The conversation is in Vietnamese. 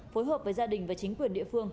phối hợp với gia đình và chính quyền địa phương